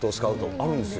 あるんですよ。